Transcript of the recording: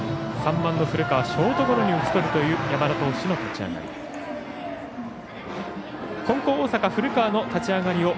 ３番の古川ショートゴロに打ち取るという山田投手の立ち上がり。